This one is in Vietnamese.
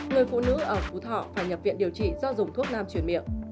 người phụ nữ ở phú thọ phải nhập viện điều trị do dùng thuốc nam chuyển miệng